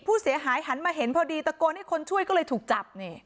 ผู้เสียหายหันมาเห็นพอดีตะโกนให้คนช่วยก็เลยถูกจับเนี่ย